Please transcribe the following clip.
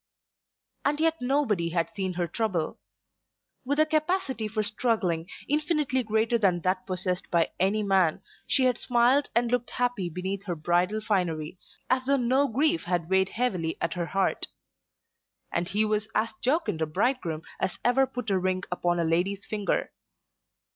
And yet nobody had seen her trouble. With a capacity for struggling, infinitely greater than that possessed by any man, she had smiled and looked happy beneath her bridal finery, as though no grief had weighed heavily at her heart. And he was as jocund a bridegroom as ever put a ring upon a lady's finger.